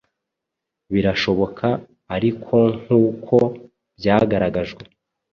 Birashoboka arikonkuko byagaragajwe